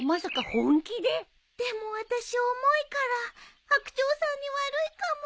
でも私重いから白鳥さんに悪いかも。